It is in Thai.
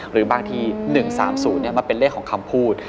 หรือบางที๑๓๐มันเป็นเลขของคำพูด